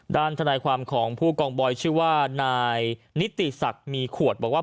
ทนายความของผู้กองบอยชื่อว่านายนิติศักดิ์มีขวดบอกว่า